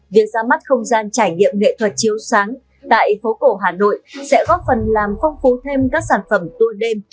việc ra mắt không gian trải nghiệm nghệ thuật chiếu sáng tại phố cổ hà nội sẽ góp phần làm phong phú thêm các sản phẩm tour đêm